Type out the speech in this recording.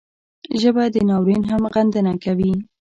ژبه د ناورین هم غندنه کوي